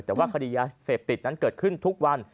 แต่ว่าคดียาเสพติดนั้นเกิดขึ้นทุกวัน